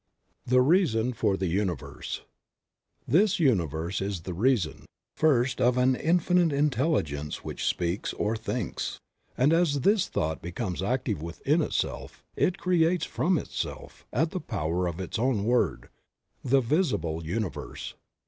THE REASON FOR THE UNIVERSE. r THIS Universe is the reason, first of an Infinite Intelli gence which speaks or thinks, and as this thought becomes active within itself, it creates from itself, at the power of its own word, the visible Universe.